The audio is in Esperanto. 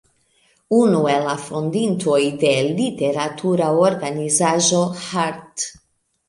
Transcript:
Unu el la fondintoj de literatura organizaĵo "Hart'.